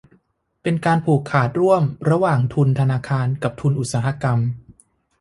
เป็นการผูกขาดร่วมระหว่างทุนธนาคารกับทุนอุตสาหกรรม